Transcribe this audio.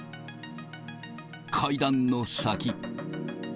階段の先。